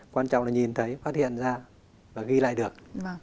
quan trọng là nhìn thấy phát hiện ra và ghi lại được